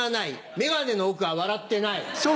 眼鏡の奥は笑ってない。